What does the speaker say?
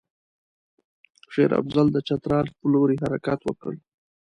شېر افضل د چترال پر لوري حرکت وکړ.